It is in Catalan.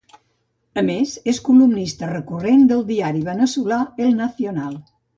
A més, és columnista recurrent del diari veneçolà El Nacional.